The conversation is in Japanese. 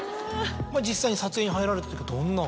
実際に撮影に入られた時はどんな感じ。